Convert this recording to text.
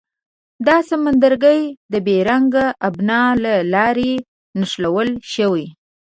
دا سمندرګي د بیرنګ ابنا له لارې نښلول شوي.